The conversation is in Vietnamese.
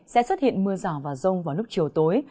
sẽ xuất hiện mưa rào và rông vào lúc chiều tối